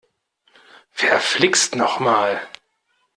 Verflixt noch mal!